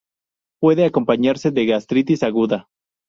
Puede acompañarse de gastritis aguda.